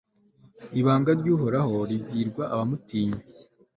ibanga ry'uhoraho ribwirwa abamutinya